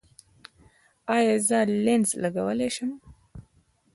ایا زه لینز لګولی شم؟